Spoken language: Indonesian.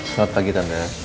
selamat pagi tanda